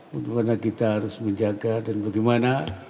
bagaimana kita harus menjaga dan bagaimana